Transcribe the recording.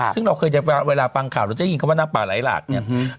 ซึ่งเราเคยเวลาฟังข่าวเราจะยินคำว่าน้ำป่าไหลหลากเนี่ย